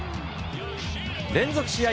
連続試合